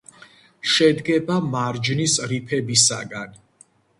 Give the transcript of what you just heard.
შედგება მარჯნის რიფებისაგან.